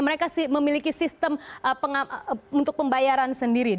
mereka memiliki sistem untuk pembayaran sendiri